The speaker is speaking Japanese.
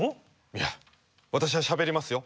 いや私はしゃべりますよ。